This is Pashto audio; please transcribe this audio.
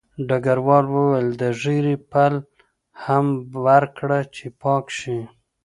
ډګروال وویل د ږیرې پل هم ورکړه چې پاک شي